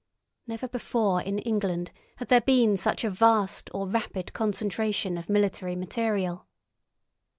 Never before in England had there been such a vast or rapid concentration of military material.